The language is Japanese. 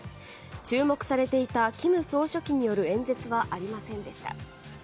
注目されていた金総書記による演説はありませんでした。